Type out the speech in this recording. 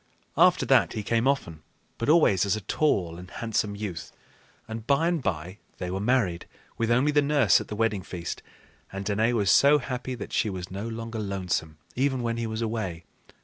After that he came often, but always as a tall and handsome youth; and by and by they were married, with only the nurse at the wedding feast, and Danaë was so happy that she was no longer lonesome even when he was away.